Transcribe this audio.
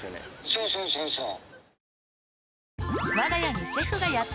そうそうそうそう。